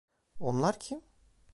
Onlar kim?